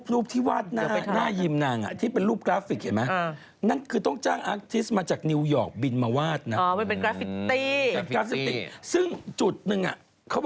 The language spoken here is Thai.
ดอกไม้อันเดียวคุณเห็นไหมดอกไม้นี่น่ะราคาขายอยู่๕แสนน่ะ